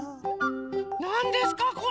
なんですかこれ？